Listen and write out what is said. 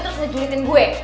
terus ngejulitin gue